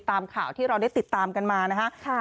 ตามข่าวที่เราได้ติดตามกันมานะฮะ